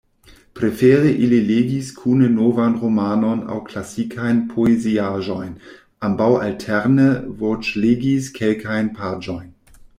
Prefere ili legis kune novan romanon aŭ klasikajn poeziaĵojn; ambaŭ alterne voĉlegis kelkajn paĝojn.